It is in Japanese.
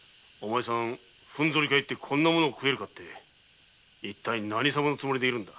ふんぞりかえって「こんな物が食えるか」って一体何様のつもりなんだ？